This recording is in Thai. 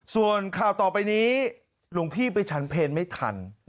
ส่วนข่าวต่อไปนี้หลวงพี่ไปฉันเพลไม่ทัน